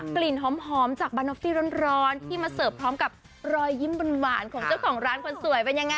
กลิ่นหอมจากบานอฟฟี่ร้อนที่มาเสิร์ฟพร้อมกับรอยยิ้มหวานของเจ้าของร้านคนสวยเป็นยังไง